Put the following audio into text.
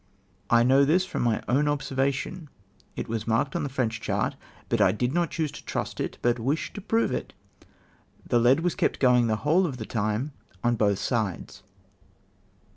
" I know this from my own observation. It Avas marked on the French chart, but I did not choose to trust it, but wished to prove it. The lead was kept going the whole of the time on both sides."